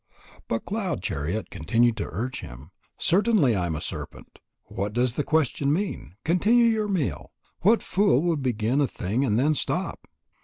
But Cloud chariot continued to urge him: "Certainly I am a serpent. What does the question mean? Continue your meal. What fool would begin a thing and then stop?"